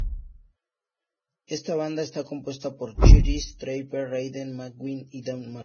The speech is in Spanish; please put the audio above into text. Esta banda está compuesta por Chris Trapper, Ryan MacMillan y Dan McLoughlin.